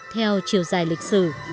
theo chiều dài lịch sử